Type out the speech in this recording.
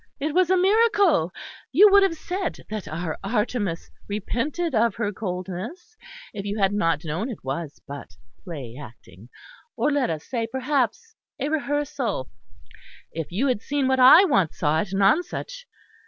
It was a miracle. You would have said that our Artemis repented of her coldness; if you had not known it was but play acting; or let us say perhaps a rehearsal if you had seen what I once saw at Nonsuch.